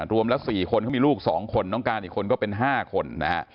รวมละ๔คนเขามีลูก๒คนน้องการอีกคนก็เป็น๕คนนะฮะ